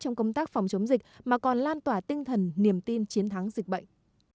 trong công tác phòng chống dịch mà còn lan tỏa tinh thần niềm tin chiến thắng dịch bệnh